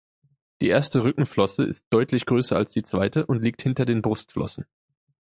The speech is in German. Die erste Rückenflosse ist deutlich größer als die zweite und liegt hinter den Brustflossen.